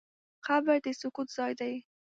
قبر د سکوت ځای دی.